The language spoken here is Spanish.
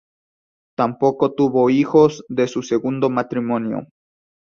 Tampoco tuvo hijos de su segundo matrimonio.